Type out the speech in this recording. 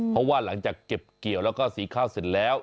เพราะว่าหลังจากเก็บเกี่ยวแล้วก็สีข้าวเสร็จแล้ว